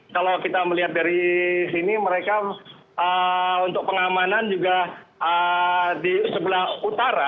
kalau kita melihat dari sini mereka untuk pengamanan juga di sebelah utara